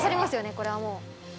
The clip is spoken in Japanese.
これはもう。